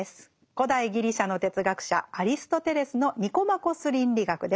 古代ギリシャの哲学者アリストテレスの「ニコマコス倫理学」です。